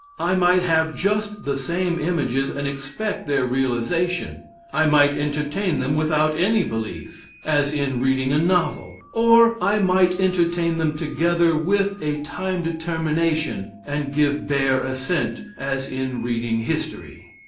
I might have just the same images and expect their realization; I might entertain them without any belief, as in reading a novel; or I might entertain them together with a time determination, and give bare assent, as in reading history.